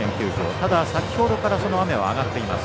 ただ、先ほどからその雨は上がっています。